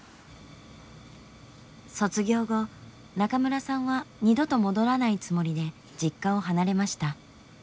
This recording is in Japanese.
卒業後中村さんは二度と戻らないつもりで実家を離れました。